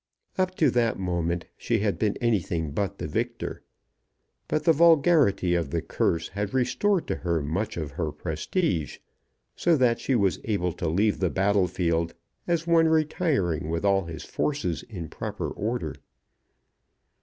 Up to that moment she had been anything but the victor; but the vulgarity of the curse had restored to her much of her prestige, so that she was able to leave the battlefield as one retiring with all his forces in proper order.